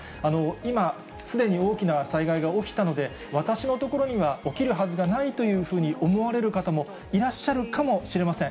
今、すでに大きな災害が起きたので、私の所には起きるはずがないというふうに思われる方もいらっしゃるかもしれません。